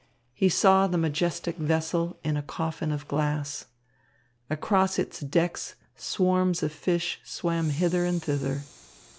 He saw the majestic vessel in a coffin of glass. Across its decks swarms of fish swam hither and thither.